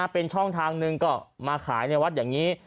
เป็นช่องทางหนึ่งก็มาขายในวัดอย่างนี้